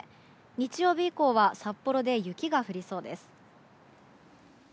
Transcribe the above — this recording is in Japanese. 日曜日以降は札幌で雪が降りそうです。